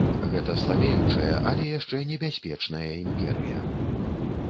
Гэта слабеючая, але яшчэ небяспечная імперыя.